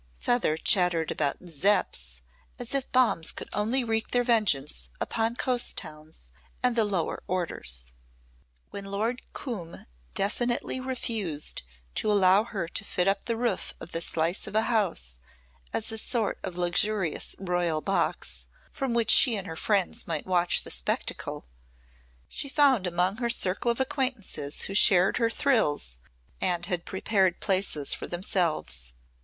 Feather chattered about "Zepps" as if bombs could only wreak their vengeance upon coast towns and the lower orders. When Lord Coombe definitely refused to allow her to fit up the roof of the slice of a house as a sort of luxurious Royal Box from which she and her friends might watch the spectacle, she found among her circle acquaintances who shared her thrills and had prepared places for themselves.